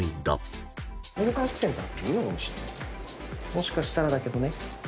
もしかしたらだけどね。